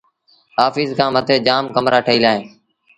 آڦيٚس کآݩ مٿي جآم ڪمرآ ٺهيٚل اوهيݩ